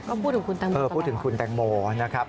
ก็พูดถึงคุณแตงโมเออพูดถึงคุณแตงโมนะครับ